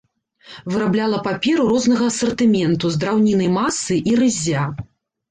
Вырабляла паперу рознага асартыменту з драўніннай масы і рыззя.